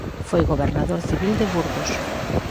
Foi gobernador civil de Burgos.